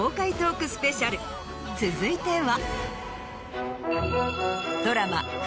続いては。